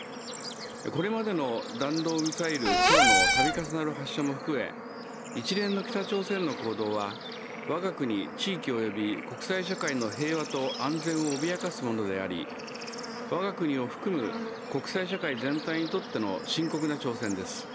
これまでの弾道ミサイル等の度重なる発射も含め一連の北朝鮮の行動は我が国地域および国際社会の平和と安全を脅かすものであり、我が国を含む国際社会全体にとっての深刻な挑戦です。